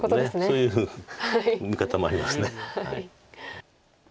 そういう見方もありますね。